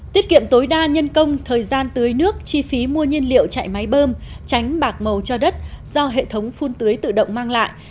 tiết kiệm tối đa nhân công thời gian tưới nước chi phí mua nhiên liệu chạy máy bơm tránh bạc màu cho đất do hệ thống phun tưới tự động mang lại